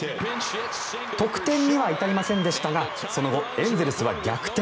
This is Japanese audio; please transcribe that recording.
得点には至りませんでしたがその後、エンゼルスは逆転。